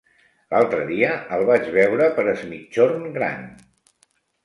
L'altre dia el vaig veure per Es Migjorn Gran.